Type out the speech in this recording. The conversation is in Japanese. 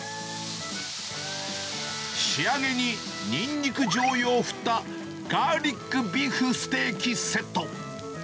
仕上げにニンニクじょうゆを振った、ガーリックビーフステーキセット。